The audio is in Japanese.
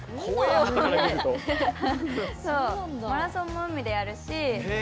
マラソンも海でやるし。